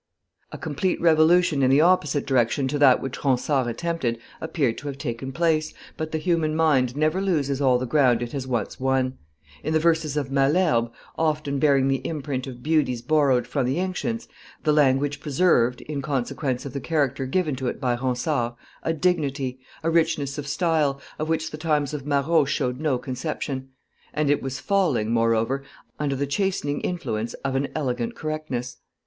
A complete revolution in the opposite direction to that which Ronsard attempted appeared to have taken place, but the human mind never loses all the ground it has once won; in the verses of Malherbe, often bearing the imprint of beauties borrowed from the ancients, the language preserved, in consequence of the character given to it by Ronsard, a dignity, a richness of style, of which the times of Marot showed no conception; and it was falling, moreover, under the chastening influence of an elegant correctness.